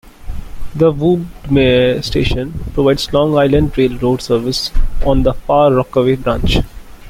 The Woodmere station provides Long Island Rail Road service on the Far Rockaway Branch.